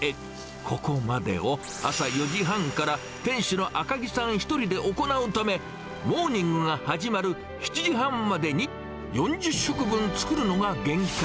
ここまでを朝４時半から、店主の赤木さん１人で行うため、モーニングが始まる７時半までに、４０食分作るのが限界。